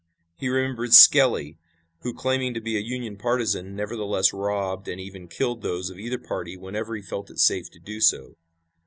He remembered Skelly, who, claiming to be a Union partisan, nevertheless robbed and even killed those of either party whenever he felt it safe to do so.